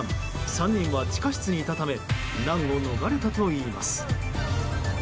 ３人は地下室にいたため難を逃れたといいます。